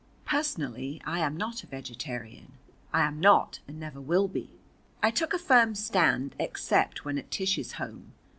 Personally I am not a vegetarian. I am not and never will be. I took a firm stand except when at Tish's home.